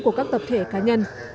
của các tập thể cá nhân